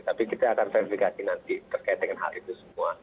tapi kita akan verifikasi nanti terkait dengan hal itu semua